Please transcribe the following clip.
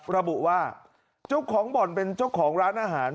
ระบุว่าเจ้าของบ่อนเป็นเจ้าของร้านอาหาร